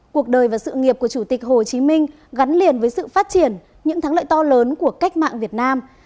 cuộc đời và sự nghiệp của chủ tịch hồ chí minh gắn liền với sự phát triển những thắng lợi to lớn của cách mạng việt nam